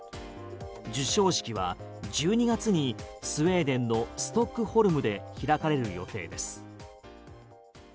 授賞式は１２月にスウェーデンのストックホルムで開かれる予定です。